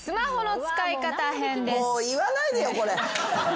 もう言わないでよこれ。